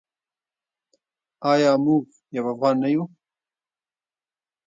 آیا موږ یو افغان نه یو؟